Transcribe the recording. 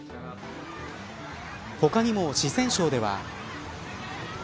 他にも、四川省では。